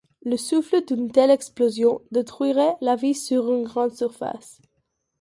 Le souffle d'une telle explosion détruirait la vie sur une grande surface.